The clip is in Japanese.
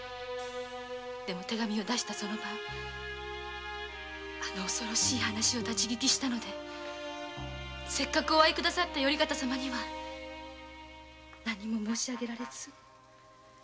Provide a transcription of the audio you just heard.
でも手紙を出したその晩恐ろしい話を立ち聞きしたのでせっかくお会い下さった頼方様には何も申し上げられず。